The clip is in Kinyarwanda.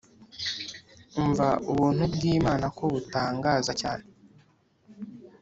Umva Ubuntu bw’Imana ko butangaza cyane